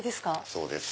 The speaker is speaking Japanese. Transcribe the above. そうです。